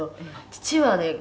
「父はね